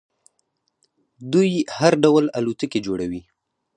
دوی هر ډول الوتکې جوړوي.